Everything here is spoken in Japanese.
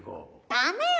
ダメよ！